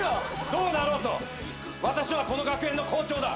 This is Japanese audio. どうなろうと私はこの学園の校長だ。